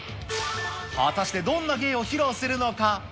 果たして、どんな芸を披露するのか。